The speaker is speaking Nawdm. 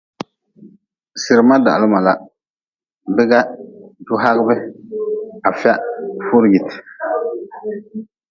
Sirma dahli mala, biga ju hagʼbe, afia furi jite.